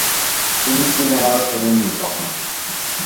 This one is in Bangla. তিনি কিরানায় ফেরেন নি কখনো।